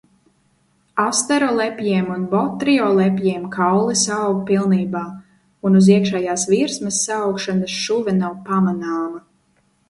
Asterolepjiem un botriolepjiem kauli saaug pilnībā un uz iekšējās virsmas saaugšanas šuve nav pamanāma.